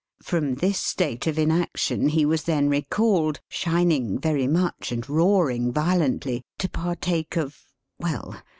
From this state of inaction he was then recalled, shining very much and roaring violently, to partake of well!